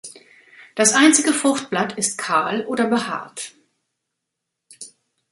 Das einzige Fruchtblatt ist kahl oder behaart.